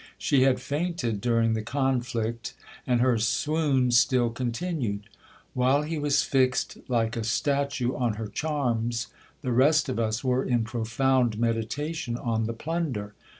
She had fainted during the conflict, and her swoon still continued. While he was fixed like a statue on her charms, the rest of us were in profound meditation on the plunder.